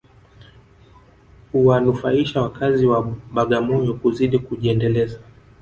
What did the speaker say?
Huwanufaisha wakazi wa Bagamoyo kuzidi kujiendeleza